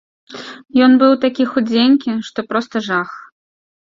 Ён быў такі худзенькі, што проста жах!